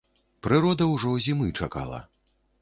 Прырода ўжо зімы чакала.